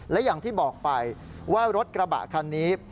และอย่างที่บอกไปว่ารถกระบะคันนี้